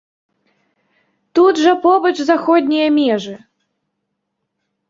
Тут жа побач заходнія межы.